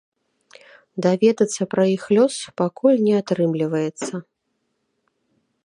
Даведацца пра іх лёс пакуль не атрымліваецца.